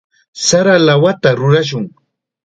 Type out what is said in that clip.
Sara lawata rurashun.